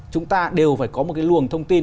chúng ta đều phải có một cái luồng thông tin